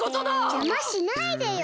じゃましないでよ！